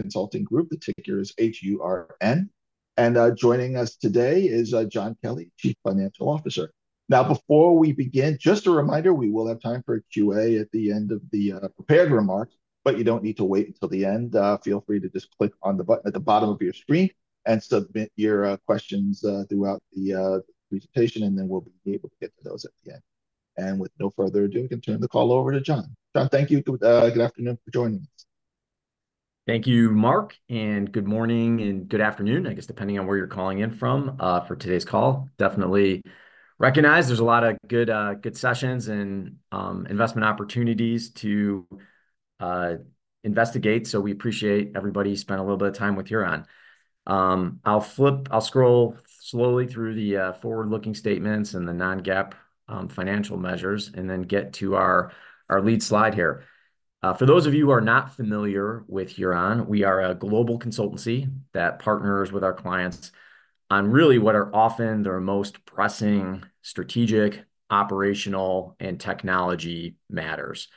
Consulting Group, the ticker is HURN. Joining us today is John Kelly, Chief Financial Officer. Now, before we begin, just a reminder, we will have time for a Q&A at the end of the prepared remarks, but you don't need to wait until the end. Feel free to just click on the button at the bottom of your screen and submit your questions throughout the presentation, and then we'll be able to get to those at the end. With no further ado, I can turn the call over to John. John, thank you. Good afternoon, thank you for joining us. Thank you, Mark, and good morning and good afternoon, I guess, depending on where you're calling in from, for today's call. Definitely recognize there's a lot of good sessions and investment opportunities to investigate, so we appreciate everybody spending a little bit of time with Huron. I'll scroll slowly through the forward-looking statements and the non-GAAP financial measures, and then get to our lead slide here. For those of you who are not familiar with Huron, we are a global consultancy that partners with our clients on really what are often their most pressing strategic, operational, and technology matters.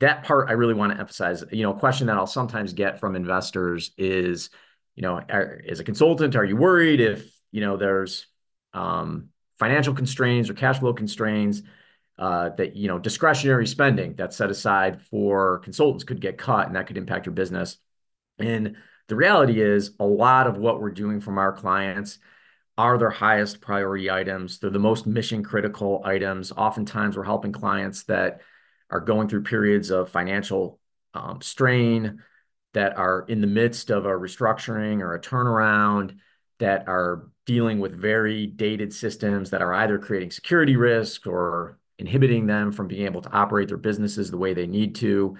That part I really want to emphasize. You know, a question that I'll sometimes get from investors is, you know, "As a consultant, are you worried if, you know, there's financial constraints or cash flow constraints that, you know, discretionary spending that's set aside for consultants could get cut, and that could impact your business?" And the reality is, a lot of what we're doing from our clients are their highest priority items. They're the most mission-critical items. Oftentimes, we're helping clients that are going through periods of financial strain, that are in the midst of a restructuring or a turnaround, that are dealing with very dated systems that are either creating security risk or inhibiting them from being able to operate their businesses the way they need to,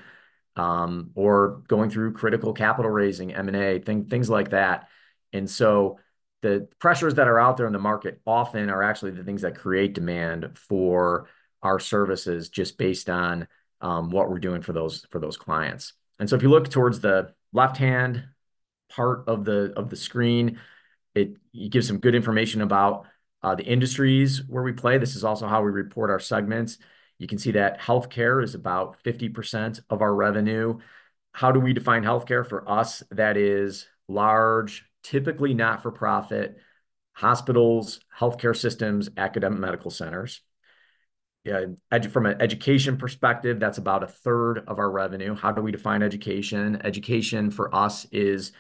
or going through critical capital raising, M&A, things like that. And so the pressures that are out there in the market often are actually the things that create demand for our services, just based on what we're doing for those clients. And so if you look towards the left-hand part of the screen, it gives some good information about the industries where we play. This is also how we report our segments. You can see that healthcare is about 50% of our revenue. How do we define healthcare? For us, that is large, typically not-for-profit, hospitals, healthcare systems, academic medical centers. From an education perspective, that's about a third of our revenue. How do we define education? Education for us is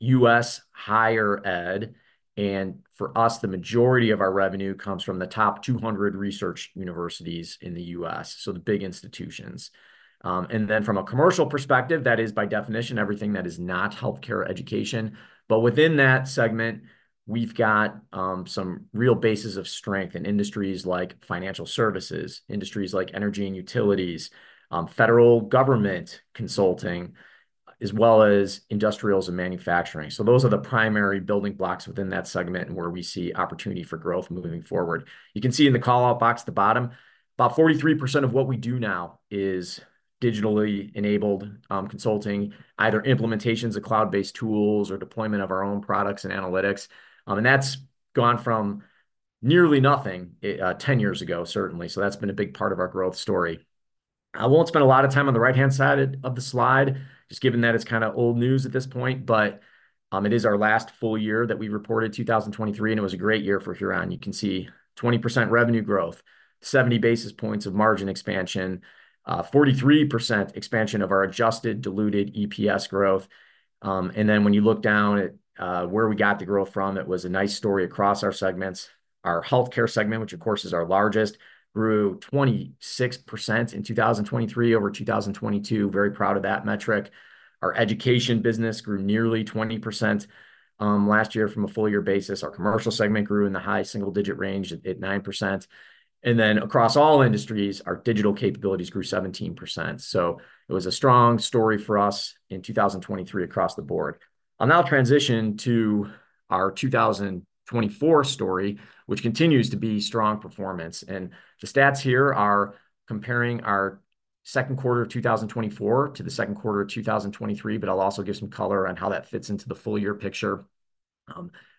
U.S. higher ed, and for us, the majority of our revenue comes from the top 200 research universities in the U.S., so the big institutions. And then from a commercial perspective, that is by definition, everything that is not healthcare education, but within that segment, we've got, some real bases of strength in industries like financial services, industries like energy and utilities, federal government consulting, as well as industrials and manufacturing. So those are the primary building blocks within that segment, and where we see opportunity for growth moving forward. You can see in the call-out box at the bottom, about 43% of what we do now is digitally enabled, consulting, either implementations of cloud-based tools or deployment of our own products and analytics. And that's gone from nearly nothing, 10 years ago, certainly, so that's been a big part of our growth story. I won't spend a lot of time on the right-hand side of the slide, just given that it's kinda old news at this point, but it is our last full year that we reported, 2023, and it was a great year for Huron. You can see 20% revenue growth, 70 basis points of margin expansion, 43% expansion of our Adjusted Diluted EPS growth. And then when you look down at where we got the growth from, it was a nice story across our segments. Our healthcare segment, which of course is our largest, grew 26% in 2023 over 2022. Very proud of that metric. Our education business grew nearly 20% last year from a full year basis. Our commercial segment grew in the high single-digit range at 9%. And then across all industries, our digital capabilities grew 17%. So it was a strong story for us in 2023 across the board. I'll now transition to our 2024 story, which continues to be strong performance, and the stats here are comparing our second quarter of 2024 to the second quarter of 2023, but I'll also give some color on how that fits into the full year picture.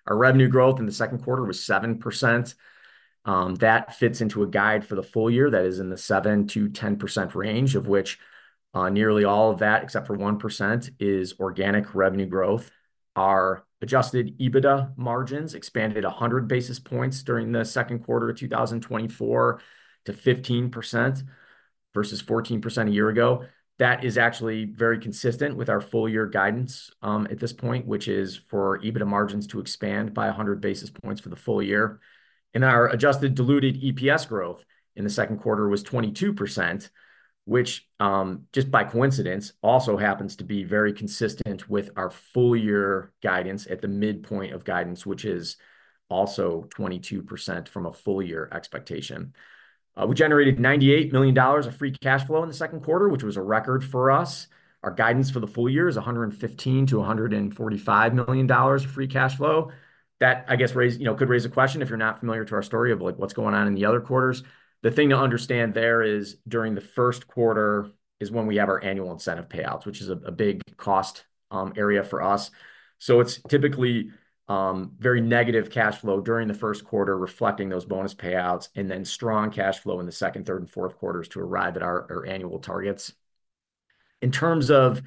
Our revenue growth in the second quarter was 7%. That fits into a guide for the full year, that is in the 7%-10% range, of which, nearly all of that, except for 1%, is organic revenue growth. Our adjusted EBITDA margins expanded 100 basis points during the second quarter of two thousand and twenty-four to 15% versus 14% a year ago. That is actually very consistent with our full year guidance, at this point, which is for EBITDA margins to expand by 100 basis points for the full year. Our adjusted diluted EPS growth in the second quarter was 22%, which, just by coincidence, also happens to be very consistent with our full year guidance at the midpoint of guidance, which is also 22% from a full year expectation. We generated $98 million of free cash flow in the second quarter, which was a record for us. Our guidance for the full year is $115 million-$145 million of free cash flow. That, I guess, you know, could raise a question, if you're not familiar to our story, of, like, what's going on in the other quarters. The thing to understand there is, during the first quarter is when we have our annual incentive payouts, which is a big cost area for us. So it's typically very negative cash flow during the first quarter, reflecting those bonus payouts, and then strong cash flow in the second, third, and fourth quarters to arrive at our annual targets. In terms of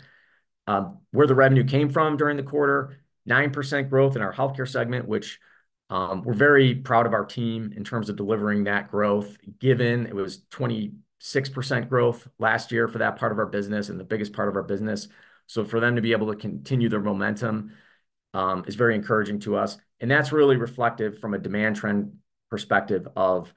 where the revenue came from during the quarter, 9% growth in our healthcare segment, which we're very proud of our team in terms of delivering that growth, given it was 26% growth last year for that part of our business, and the biggest part of our business. So for them to be able to continue their momentum, is very encouraging to us, and that's really reflective from a demand trend perspective of,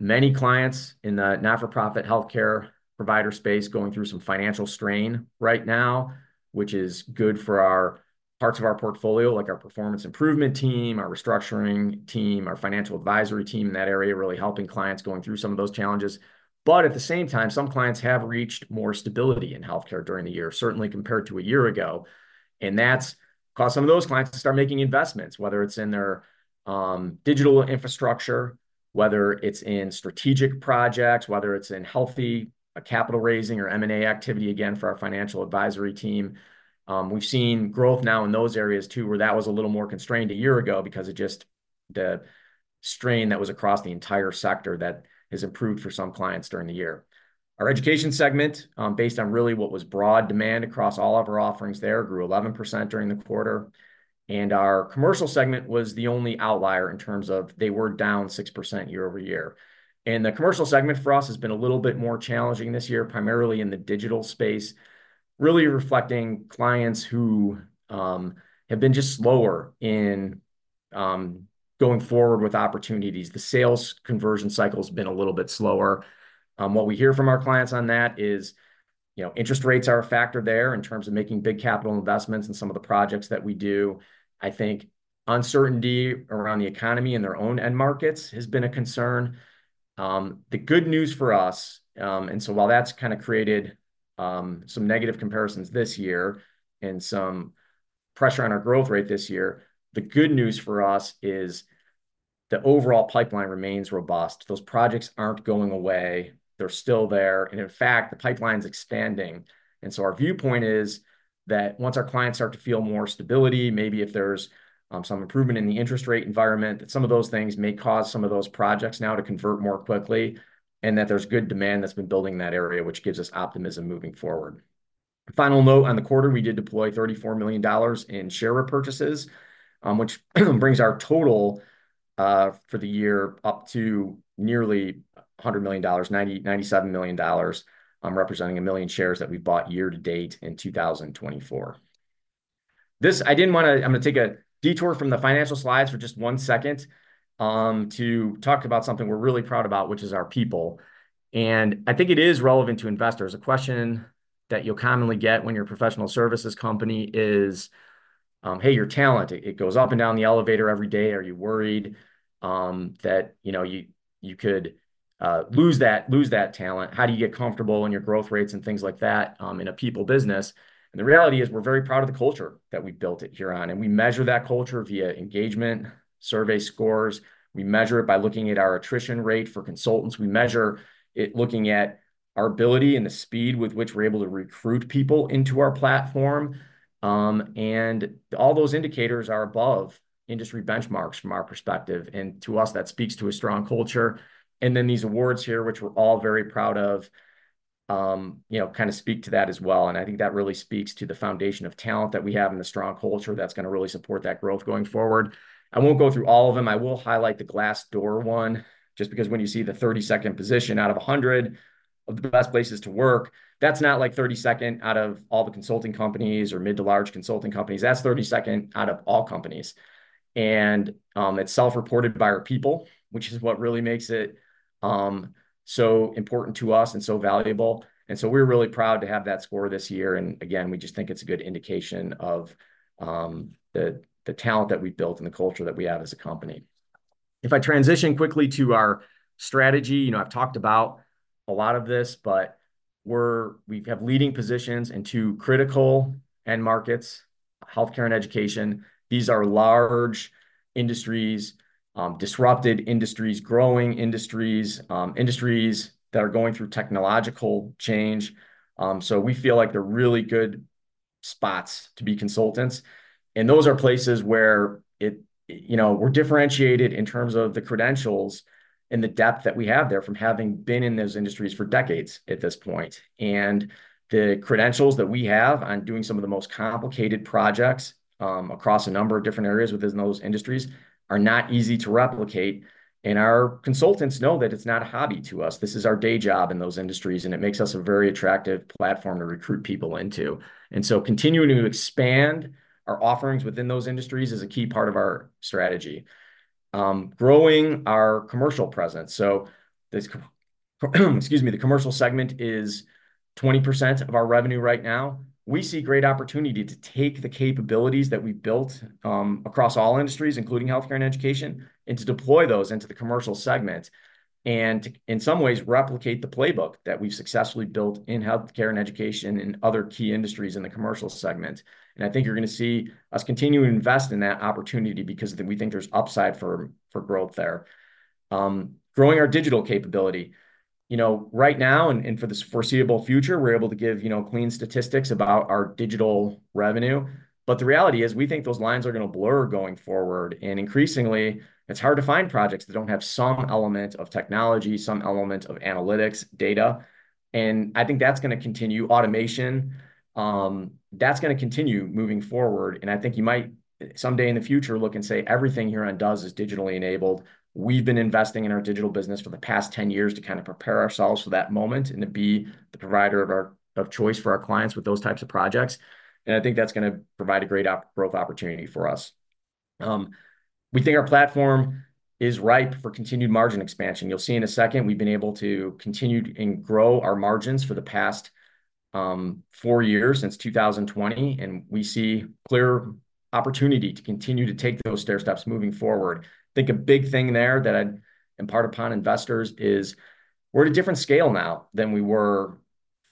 many clients in the not-for-profit healthcare provider space going through some financial strain right now, which is good for our parts of our portfolio, like our performance improvement team, our restructuring team, our financial advisory team in that area, really helping clients going through some of those challenges. But at the same time, some clients have reached more stability in healthcare during the year, certainly compared to a year ago, and that's caused some of those clients to start making investments, whether it's in their, digital infrastructure, whether it's in strategic projects, whether it's in healthy, capital raising or M&A activity, again, for our financial advisory team. We've seen growth now in those areas, too, where that was a little more constrained a year ago because of just the strain that was across the entire sector that has improved for some clients during the year. Our education segment, based on really what was broad demand across all of our offerings there, grew 11% during the quarter, and our commercial segment was the only outlier in terms of, they were down 6% year over year, and the commercial segment for us has been a little bit more challenging this year, primarily in the digital space, really reflecting clients who have been just slower in going forward with opportunities. The sales conversion cycle's been a little bit slower. What we hear from our clients on that is, you know, interest rates are a factor there in terms of making big capital investments in some of the projects that we do. I think uncertainty around the economy and their own end markets has been a concern. The good news for us and so while that's kinda created some negative comparisons this year and some pressure on our growth rate this year, the good news for us is the overall pipeline remains robust. Those projects aren't going away. They're still there, and in fact, the pipeline's expanding. Our viewpoint is that once our clients start to feel more stability, maybe if there's some improvement in the interest rate environment, that some of those things may cause some of those projects now to convert more quickly, and that there's good demand that's been building in that area, which gives us optimism moving forward. Final note on the quarter, we did deploy $34 million in share repurchases, which brings our total for the year up to nearly $100 million, $97 million, representing a million shares that we've bought year to date in 2024. I'm gonna take a detour from the financial slides for just one second, to talk about something we're really proud about, which is our people, and I think it is relevant to investors. A question that you'll commonly get when you're a professional services company is: "Hey, your talent, it goes up and down the elevator every day. Are you worried that, you know, you could lose that talent? How do you get comfortable in your growth rates and things like that in a people business?" And the reality is, we're very proud of the culture that we've built at Huron, and we measure that culture via engagement survey scores. We measure it by looking at our attrition rate for consultants. We measure it looking at our ability and the speed with which we're able to recruit people into our platform. And all those indicators are above industry benchmarks from our perspective, and to us, that speaks to a strong culture. And then these awards here, which we're all very proud of, you know, kinda speak to that as well, and I think that really speaks to the foundation of talent that we have and the strong culture that's gonna really support that growth going forward. I won't go through all of them. I will highlight the Glassdoor one, just because when you see the thirty-second position out of a hundred of the best places to work, that's not, like, thirty-second out of all the consulting companies or mid to large consulting companies. That's thirty-second out of all companies. And, it's self-reported by our people, which is what really makes it, so important to us and so valuable, and so we're really proud to have that score this year. And again, we just think it's a good indication of the talent that we've built and the culture that we have as a company. If I transition quickly to our strategy, you know, I've talked about a lot of this, but we have leading positions in two critical end markets: healthcare and education. These are large industries, disrupted industries, growing industries, industries that are going through technological change. So we feel like they're really good spots to be consultants, and those are places where you know, we're differentiated in terms of the credentials and the depth that we have there from having been in those industries for decades at this point. The credentials that we have on doing some of the most complicated projects across a number of different areas within those industries are not easy to replicate, and our consultants know that it's not a hobby to us. This is our day job in those industries, and it makes us a very attractive platform to recruit people into. Continuing to expand our offerings within those industries is a key part of our strategy. Growing our commercial presence, excuse me, the commercial segment is 20% of our revenue right now. We see great opportunity to take the capabilities that we've built across all industries, including healthcare and education, and to deploy those into the commercial segment, and in some ways, replicate the playbook that we've successfully built in healthcare and education and other key industries in the commercial segment. And I think you're gonna see us continue to invest in that opportunity because we think there's upside for growth there. Growing our digital capability. You know, right now, and for the foreseeable future, we're able to give, you know, clean statistics about our digital revenue. But the reality is, we think those lines are gonna blur going forward, and increasingly, it's hard to find projects that don't have some element of technology, some element of analytics, data, and I think that's gonna continue. Automation, that's gonna continue moving forward, and I think you might someday in the future look and say everything Huron does is digitally enabled. We've been investing in our digital business for the past 10 years to kind of prepare ourselves for that moment, and to be the provider of choice for our clients with those types of projects, and I think that's gonna provide a great growth opportunity for us. We think our platform is ripe for continued margin expansion. You'll see in a second, we've been able to continue to grow our margins for the past four years, since 2020, and we see clear opportunity to continue to take those stairsteps moving forward. I think a big thing there that I'd impart upon investors is we're at a different scale now than we were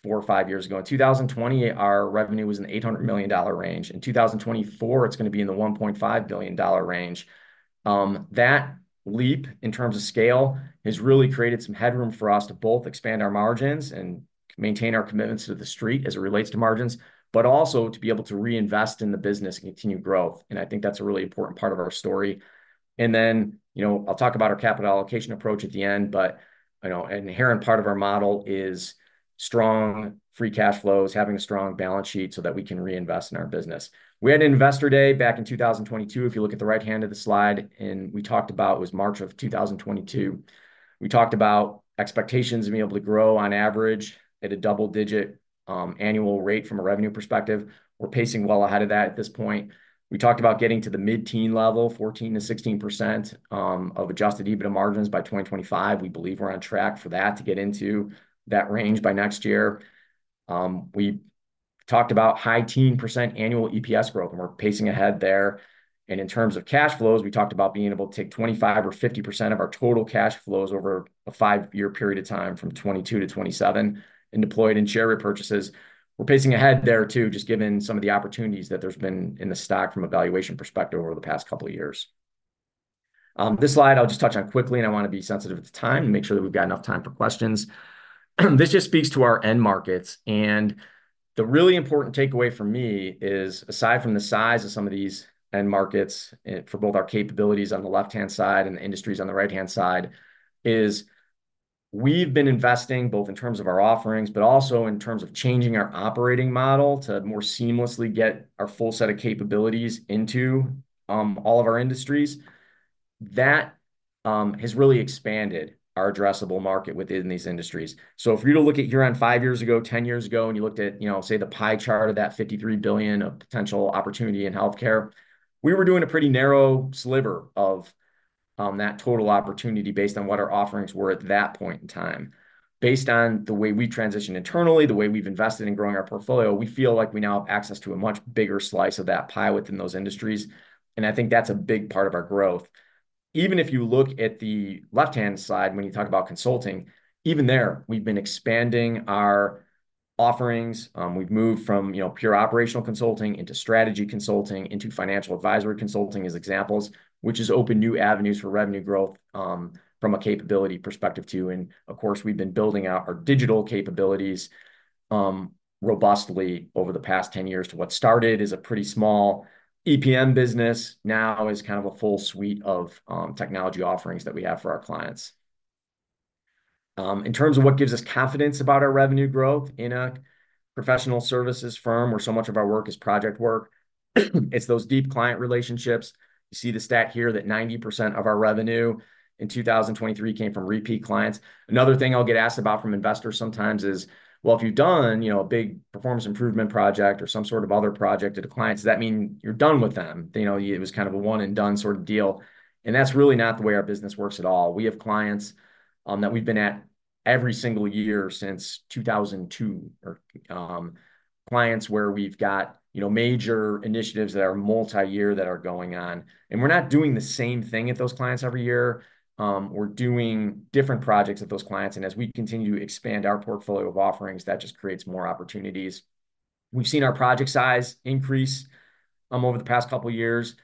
four or five years ago. In 2020, our revenue was in the $800 million range. In 2024, it's gonna be in the $1.5 billion range. That leap, in terms of scale, has really created some headroom for us to both expand our margins and maintain our commitments to the street as it relates to margins, but also to be able to reinvest in the business and continue growth, and I think that's a really important part of our story. And then, you know, I'll talk about our capital allocation approach at the end, but, you know, an inherent part of our model is strong, free cash flows, having a strong balance sheet so that we can reinvest in our business. We had an Investor Day back in 2022, if you look at the right-hand of the slide, and we talked about... It was March of 2022. We talked about expectations and being able to grow on average at a double-digit annual rate from a revenue perspective. We're pacing well ahead of that at this point. We talked about getting to the mid-teen level, 14%-16% of Adjusted EBITDA margins by 2025. We believe we're on track for that to get into that range by next year. We talked about high-teen % annual EPS growth, and we're pacing ahead there, and in terms of cash flows, we talked about being able to take 25% or 50% of our total cash flows over a five-year period of time, from 2022 to 2027, and deployed in share repurchases. We're pacing ahead there, too, just given some of the opportunities that there's been in the stock from a valuation perspective over the past couple of years. This slide I'll just touch on quickly, and I wanna be sensitive to time and make sure that we've got enough time for questions. This just speaks to our end markets, and the really important takeaway for me is, aside from the size of some of these end markets, and for both our capabilities on the left-hand side and the industries on the right-hand side, is we've been investing, both in terms of our offerings, but also in terms of changing our operating model, to more seamlessly get our full set of capabilities into, all of our industries. That, has really expanded our addressable market within these industries. So if you're to look at Huron five years ago, 10 years ago, and you looked at, you know, say, the pie chart of that $53 billion of potential opportunity in healthcare, we were doing a pretty narrow sliver of that total opportunity based on what our offerings were at that point in time. Based on the way we've transitioned internally, the way we've invested in growing our portfolio, we feel like we now have access to a much bigger slice of that pie within those industries, and I think that's a big part of our growth. Even if you look at the left-hand side when you talk about consulting, even there, we've been expanding our offerings. We've moved from, you know, pure operational consulting into strategy consulting, into financial advisory consulting, as examples, which has opened new avenues for revenue growth, from a capability perspective, too, and of course, we've been building out our digital capabilities, robustly over the past 10 years. To what started as a pretty small EPM business now is kind of a full suite of, technology offerings that we have for our clients. In terms of what gives us confidence about our revenue growth in a professional services firm, where so much of our work is project work, it's those deep client relationships. You see the stat here that 90% of our revenue in 2023 came from repeat clients. Another thing I'll get asked about from investors sometimes is: Well, if you've done, you know, a big performance improvement project or some sort of other project at a client, does that mean you're done with them? You know, it was kind of a one-and-done sort of deal, and that's really not the way our business works at all. We have clients that we've been at every single year since two thousand and two, or clients where we've got, you know, major initiatives that are multi-year that are going on, and we're not doing the same thing at those clients every year. We're doing different projects with those clients, and as we continue to expand our portfolio of offerings, that just creates more opportunities. We've seen our project size increase over the past couple of years.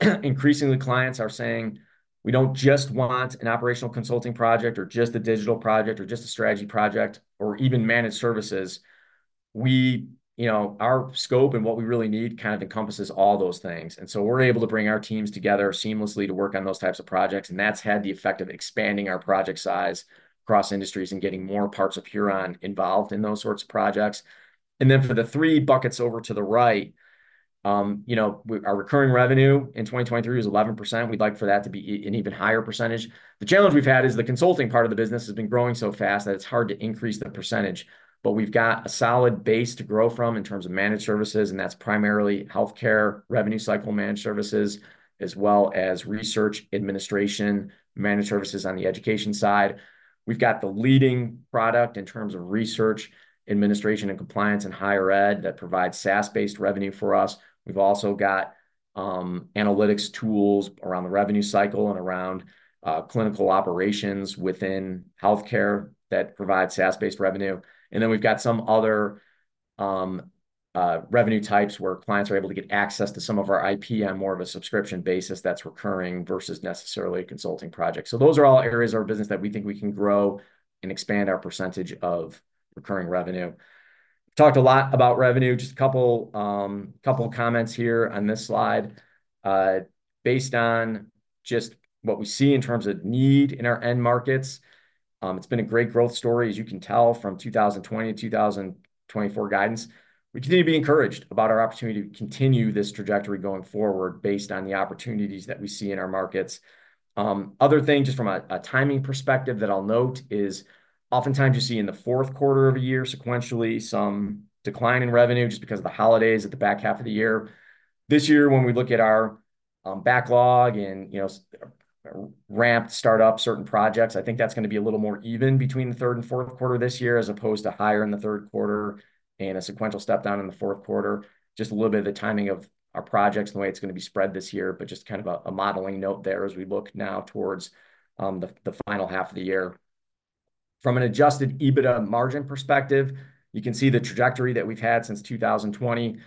Increasingly, clients are saying, "We don't just want an operational consulting project or just a digital project or just a strategy project or even managed services. We-- You know, our scope and what we really need kind of encompasses all those things." And so we're able to bring our teams together seamlessly to work on those types of projects, and that's had the effect of expanding our project size across industries and getting more parts of Huron involved in those sorts of projects. And then for the three buckets over to the right, you know, our recurring revenue in 2023 was 11%. We'd like for that to be an even higher percentage. The challenge we've had is the consulting part of the business has been growing so fast that it's hard to increase the percentage, but we've got a solid base to grow from in terms of managed services, and that's primarily healthcare, revenue cycle managed services, as well as research, administration, managed services on the education side. We've got the leading product in terms of research, administration, and compliance in higher ed that provides SaaS-based revenue for us. We've also got analytics tools around the revenue cycle and around clinical operations within healthcare that provide SaaS-based revenue, and then we've got some other revenue types where clients are able to get access to some of our IP on more of a subscription basis that's recurring versus necessarily a consulting project. Those are all areas of our business that we think we can grow and expand our percentage of recurring revenue. Talked a lot about revenue. Just a couple couple comments here on this slide. Based on just what we see in terms of need in our end markets, it's been a great growth story, as you can tell, from two thousand and twenty to two thousand and twenty-four guidance. We continue to be encouraged about our opportunity to continue this trajectory going forward based on the opportunities that we see in our markets. Other things, just from a timing perspective that I'll note is oftentimes you see in the fourth quarter of a year, sequentially, some decline in revenue just because of the holidays at the back half of the year. This year, when we look at our backlog and, you know, ramped start up certain projects, I think that's gonna be a little more even between the third and fourth quarter this year, as opposed to higher in the third quarter, and a sequential step down in the fourth quarter. Just a little bit of the timing of our projects and the way it's gonna be spread this year, but just kind of a modeling note there as we look now towards the final half of the year. From an adjusted EBITDA margin perspective, you can see the trajectory that we've had since two thousand and twenty.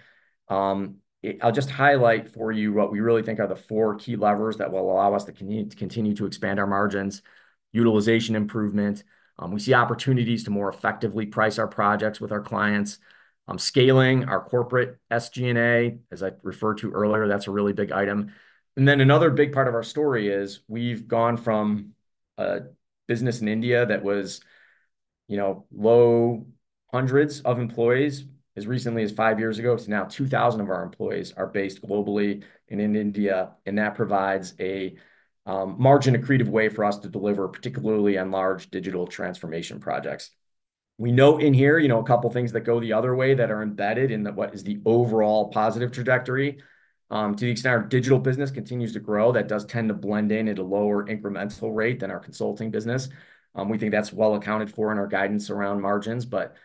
I'll just highlight for you what we really think are the four key levers that will allow us to continue to expand our margins. Utilization improvement, we see opportunities to more effectively price our projects with our clients. Scaling our corporate SG&A, as I referred to earlier, that's a really big item, and then another big part of our story is we've gone from a business in India that was, you know, low hundreds of employees as recently as five years ago, to now 2,000 of our employees are based globally and in India, and that provides a margin-accretive way for us to deliver, particularly on large digital transformation projects. We note in here, you know, a couple things that go the other way, that are embedded in the, what is the overall positive trajectory. To the extent our digital business continues to grow, that does tend to blend in at a lower incremental rate than our consulting business. We think that's well accounted for in our guidance around margins, but,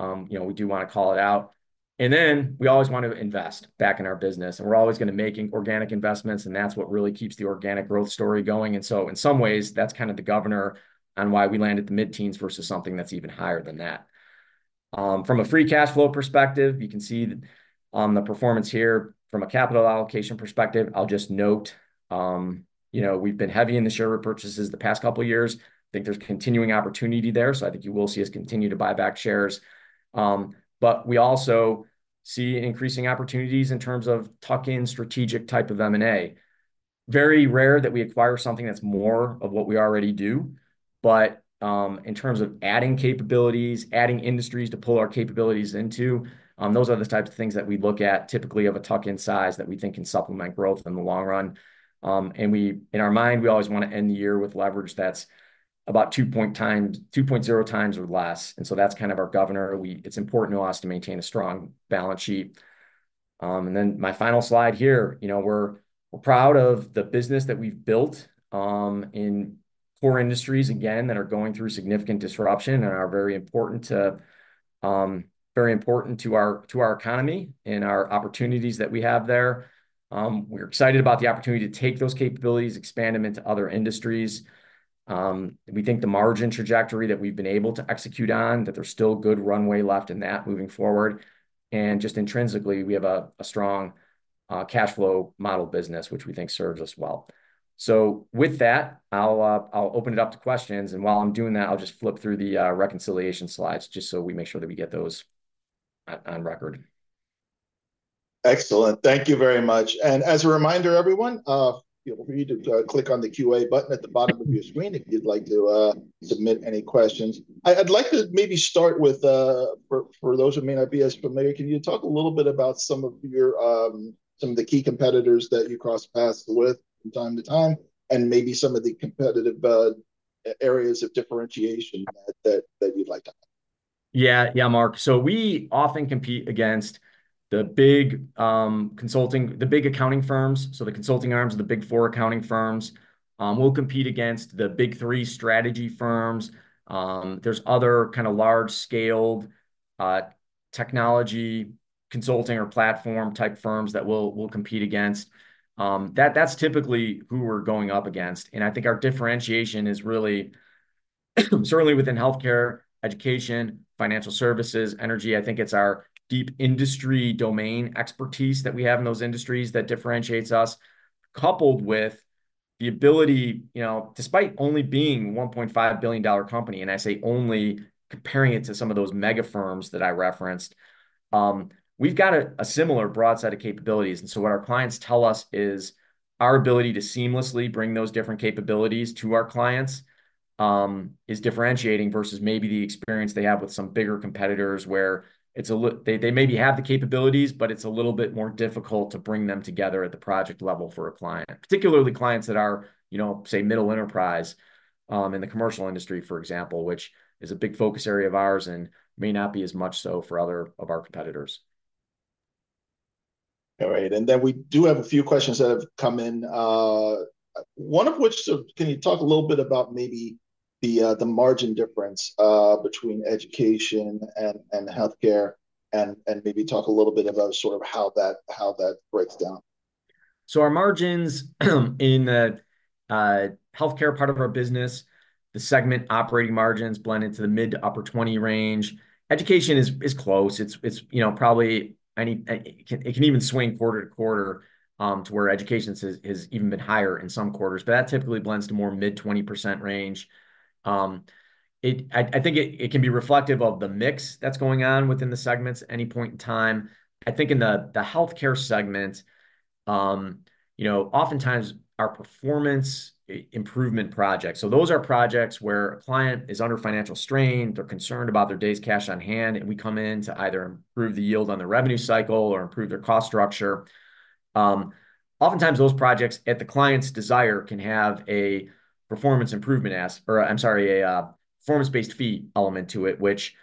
you know, we do wanna call it out, and then we always want to invest back in our business, and we're always gonna make organic investments, and that's what really keeps the organic growth story going, and so in some ways, that's kind of the governor on why we landed the mid-teens versus something that's even higher than that. From a free cash flow perspective, you can see the performance here from a capital allocation perspective. I'll just note, you know, we've been heavy in the share repurchases the past couple years. Think there's continuing opportunity there, so I think you will see us continue to buy back shares, but we also see increasing opportunities in terms of tuck-in strategic type of M&A. Very rare that we acquire something that's more of what we already do, but in terms of adding capabilities, adding industries to pull our capabilities into, those are the types of things that we look at typically of a tuck-in size that we think can supplement growth in the long run. And we, in our mind, we always wanna end the year with leverage that's about two times - two point zero times or less, and so that's kind of our governor. It's important to us to maintain a strong balance sheet. And then my final slide here. You know, we're proud of the business that we've built in core industries, again, that are going through significant disruption and are very important to our economy and our opportunities that we have there. We're excited about the opportunity to take those capabilities, expand them into other industries. We think the margin trajectory that we've been able to execute on, that there's still good runway left in that moving forward. And just intrinsically, we have a strong cash flow model business, which we think serves us well. With that, I'll open it up to questions, and while I'm doing that, I'll just flip through the reconciliation slides just so we make sure that we get those on record. Excellent. Thank you very much. And as a reminder, everyone, feel free to click on the Q&A button at the bottom of your screen if you'd like to submit any questions. I'd like to maybe start with, for those who may not be as familiar, can you talk a little bit about some of your, some of the key competitors that you cross paths with from time to time, and maybe some of the competitive areas of differentiation that you'd like to? Yeah. Yeah, Mark. So we often compete against the big, consulting... the big accounting firms, so the consulting arms of the Big Four accounting firms. We'll compete against the Big Three strategy firms. There's other kinda large-scaled, technology consulting or platform-type firms that we'll compete against. That, that's typically who we're going up against, and I think our differentiation is really, certainly within healthcare, education, financial services, energy. I think it's our deep industry domain expertise that we have in those industries that differentiates us, coupled with the ability, you know, despite only being a $1.5 billion company, and I say "only" comparing it to some of those mega firms that I referenced, we've got a similar broad set of capabilities. And so what our clients tell us is our ability to seamlessly bring those different capabilities to our clients is differentiating versus maybe the experience they have with some bigger competitors, where they maybe have the capabilities, but it's a little bit more difficult to bring them together at the project level for a client, particularly clients that are, you know, say, middle enterprise in the commercial industry, for example, which is a big focus area of ours and may not be as much so for other of our competitors. All right, and then we do have a few questions that have come in. One of which, so can you talk a little bit about maybe the margin difference between education and healthcare and maybe talk a little bit about sort of how that breaks down?... So our margins in the healthcare part of our business, the segment operating margins blend into the mid- to upper-20% range. Education is close. It's you know, probably any it can even swing quarter to quarter to where education has even been higher in some quarters, but that typically blends to more mid-20% range. I think it can be reflective of the mix that's going on within the segments at any point in time. I think in the healthcare segment you know, oftentimes, our performance improvement projects, so those are projects where a client is under financial strain, they're concerned about their days' cash on hand, and we come in to either improve the yield on their revenue cycle or improve their cost structure. Oftentimes, those projects, at the client's desire, can have a performance improvement or I'm sorry, a, performance-based fee element to it, which,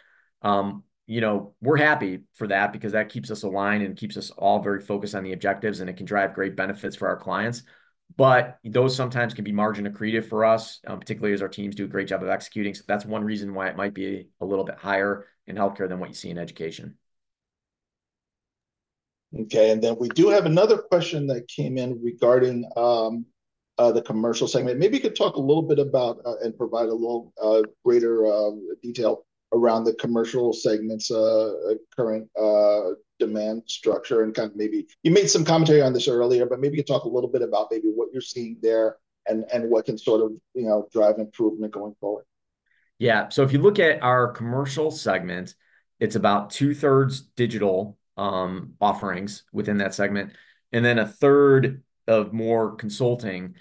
you know, we're happy for that because that keeps us aligned and keeps us all very focused on the objectives, and it can drive great benefits for our clients. But those sometimes can be margin accretive for us, particularly as our teams do a great job of executing. So that's one reason why it might be a little bit higher in healthcare than what you see in education. Okay, and then we do have another question that came in regarding the commercial segment. Maybe you could talk a little bit about and provide a little greater detail around the commercial segment's current demand structure. And kind of maybe... You made some commentary on this earlier, but maybe you could talk a little bit about maybe what you're seeing there and what can sort of, you know, drive improvement going forward. Yeah, so if you look at our commercial segment, it's about two-thirds digital offerings within that segment, and then a third of more consulting.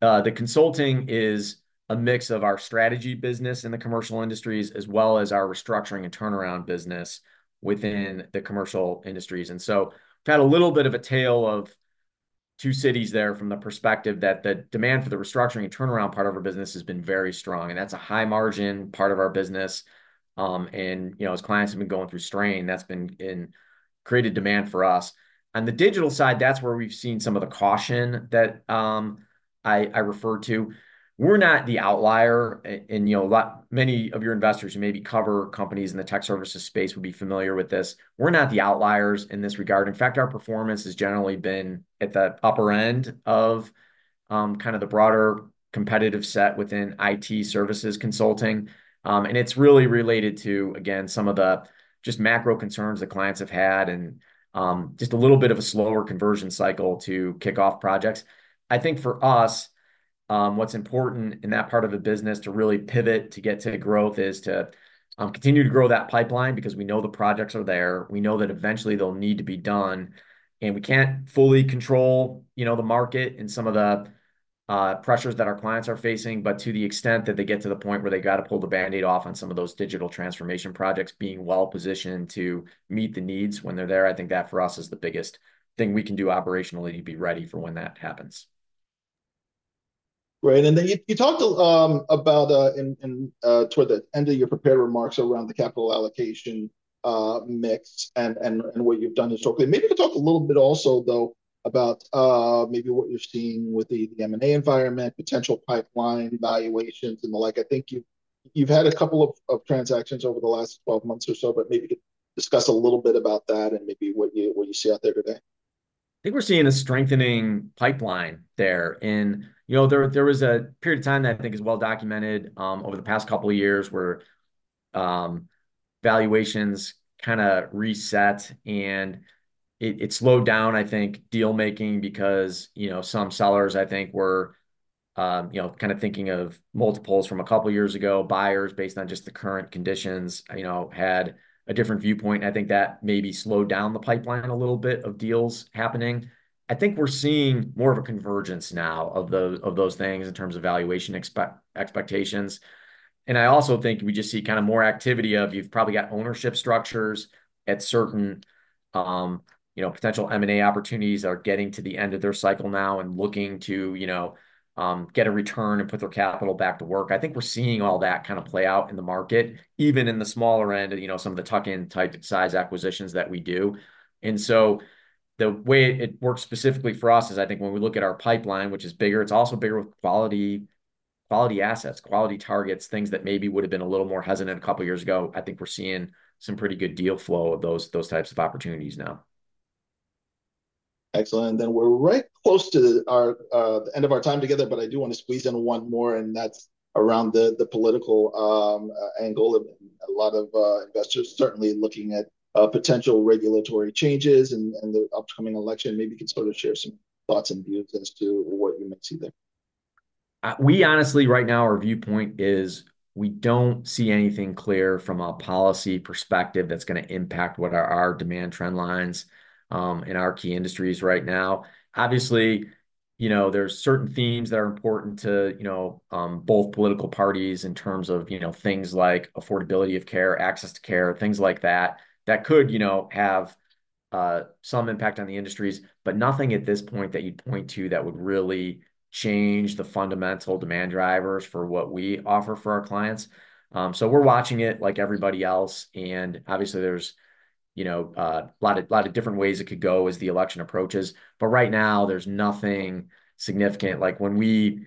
The consulting is a mix of our strategy business in the commercial industries, as well as our restructuring and turnaround business within the commercial industries. And so we've got a little bit of a tale of two cities there from the perspective that the demand for the restructuring and turnaround part of our business has been very strong, and that's a high-margin part of our business. You know, as clients have been going through strain, that's been created demand for us. On the digital side, that's where we've seen some of the caution that I referred to. We're not the outlier, and, you know, many of your investors who maybe cover companies in the tech services space would be familiar with this. We're not the outliers in this regard. In fact, our performance has generally been at the upper end of kind of the broader competitive set within IT services consulting. And it's really related to, again, some of the just macro concerns that clients have had and just a little bit of a slower conversion cycle to kick off projects. I think for us, what's important in that part of the business to really pivot to get to growth is to continue to grow that pipeline because we know the projects are there. We know that eventually they'll need to be done, and we can't fully control, you know, the market and some of the pressures that our clients are facing. But to the extent that they get to the point where they gotta pull the Band-Aid off on some of those digital transformation projects, being well-positioned to meet the needs when they're there, I think that, for us, is the biggest thing we can do operationally to be ready for when that happens. Great. And then you talked about in toward the end of your prepared remarks around the capital allocation mix and what you've done historically. Maybe you could talk a little bit also, though, about maybe what you're seeing with the M&A environment, potential pipeline valuations, and the like. I think you've had a couple of transactions over the last twelve months or so, but maybe discuss a little bit about that and maybe what you see out there today. I think we're seeing a strengthening pipeline there. And, you know, there was a period of time that I think is well documented over the past couple of years, where valuations kinda reset, and it slowed down, I think, deal making because, you know, some sellers, I think, were, you know, kind of thinking of multiples from a couple years ago. Buyers, based on just the current conditions, you know, had a different viewpoint. I think that maybe slowed down the pipeline a little bit of deals happening. I think we're seeing more of a convergence now of those things in terms of valuation expectations, and I also think we just see kinda more activity of you've probably got ownership structures at certain, you know, potential M&A opportunities are getting to the end of their cycle now and looking to, you know, get a return and put their capital back to work. I think we're seeing all that kind of play out in the market, even in the smaller end, you know, some of the tuck-in type size acquisitions that we do, and so the way it works specifically for us is, I think when we look at our pipeline, which is bigger, it's also bigger with quality assets, quality targets, things that maybe would've been a little more hesitant a couple years ago. I think we're seeing some pretty good deal flow of those types of opportunities now. Excellent, and then we're right close to our the end of our time together, but I do wanna squeeze in one more, and that's around the political angle. A lot of investors certainly looking at potential regulatory changes and the upcoming election. Maybe you could sort of share some thoughts and views as to what you might see there? We honestly, right now, our viewpoint is we don't see anything clear from a policy perspective that's gonna impact what are our demand trend lines in our key industries right now. Obviously, you know, there's certain themes that are important to, you know, both political parties in terms of, you know, things like affordability of care, access to care, things like that, that could, you know, have some impact on the industries, but nothing at this point that you'd point to that would really change the fundamental demand drivers for what we offer for our clients. So we're watching it like everybody else, and obviously there's, you know, a lot of different ways it could go as the election approaches, but right now there's nothing significant. Like, when we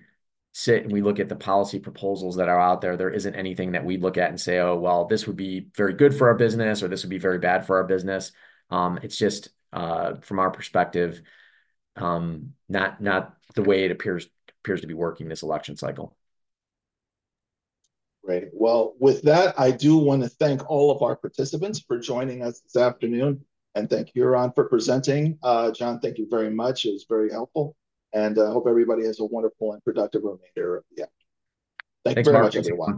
sit and we look at the policy proposals that are out there, there isn't anything that we look at and say, "Oh, well, this would be very good for our business," or, "This would be very bad for our business." It's just, from our perspective, not the way it appears to be working this election cycle. Great. Well, with that, I do wanna thank all of our participants for joining us this afternoon, and thank you, Huron, for presenting. John, thank you very much. It was very helpful, and, I hope everybody has a wonderful and productive remainder of the year. Thanks very much, everyone.